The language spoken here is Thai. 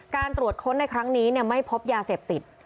การตรวจค้นในครั้งนี้ไม่พบยาเสพติด